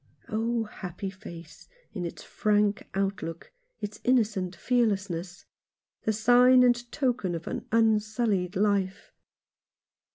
Oh, happy face, in its frank outlook, its innocent fearlessness — the sign and token of an unsullied life